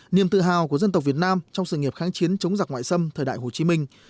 niềm tự hào của dân tộc việt nam trong sự nghiệp kháng chiến chống giặc ngoại xâm thời đại hồ chí minh